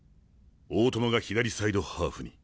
大友が左サイドハーフに。